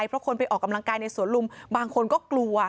เพราะคนไปออกกำลังกายในสวนลุมบางคนก็กลัว